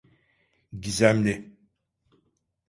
Gizemli.